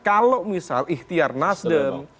kalau misalnya ikhtiar nasdem